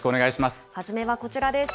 初めはこちらです。